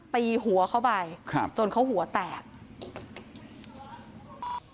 ตีหัวเข้าไปครับจนเขาหัวแตก